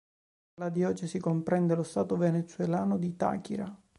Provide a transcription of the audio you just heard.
La diocesi comprende lo stato venezuelano di Táchira.